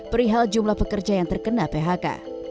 perihal jumlah pekerja yang terkena phk